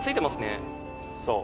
そう。